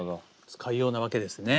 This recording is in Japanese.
使いようなわけですね。